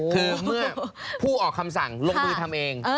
คือเมื่อผู้ออกคำสั่งลงมือทำเอง